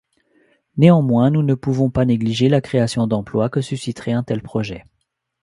Néanmoins, nous ne pouvons pas négliger la création d’emplois que susciterait un tel projet.